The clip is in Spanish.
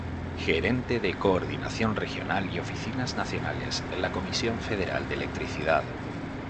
Gerente de Coordinación Regional y Oficinas Nacionales en la Comisión Federal de Electricidad.